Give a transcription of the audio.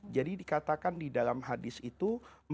jadi dikatakan di dalam hadis itu